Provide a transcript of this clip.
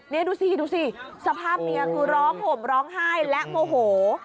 นี่ดูสิดูสิสภาพเมียคือร้องห่มร้องไห้และโมโห